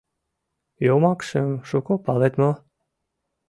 Йомакшым шуко палет мо?